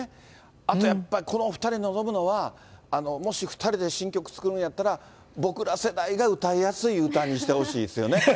あとやっぱりこの２人に望むのは、もし２人で新曲作るんやったら、僕ら世代が歌いやすい歌にしてほしいですよね。